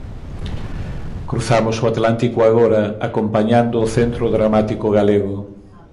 Cruzamos o atlántico agora, acompañando o Centro Dramático Galego.